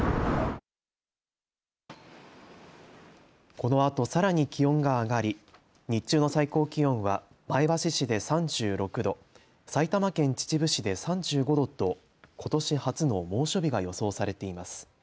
このあとさらに気温が上がり日中の最高気温は前橋市で３６度埼玉県秩父市で３５度とことし初の猛暑日が予想されています。